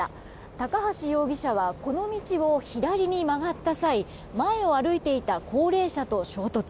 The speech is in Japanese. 高橋容疑者はこの道を左に曲がった際前を歩いていた高齢者と衝突。